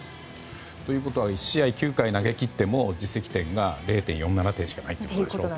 ということは１試合９回投げ切っても自責点が０．４７点しかないってことでしょ。